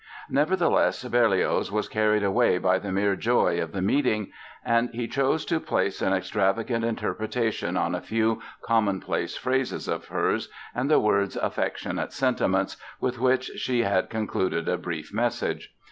Nevertheless, Berlioz was carried away by the mere joy of the meeting; and he chose to place an extravagant interpretation on a few commonplace phrases of hers and the words "affectionate sentiments" with which she had concluded a brief message.